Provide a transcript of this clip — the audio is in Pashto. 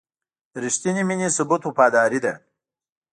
د رښتینې مینې ثبوت وفاداري ده.